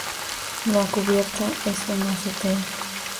La cubierta es una azotea.